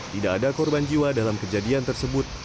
tidak ada korban jiwa dalam kejadian tersebut